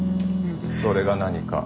それが何か？